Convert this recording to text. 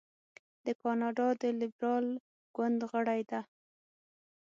د کاناډا د لیبرال ګوند غړې ده.